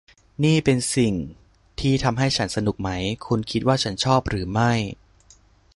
นี่เป็นสิ่งที่ทำให้ฉันสนุกไหม ? คุณคิดว่าฉันชอบหรือไม่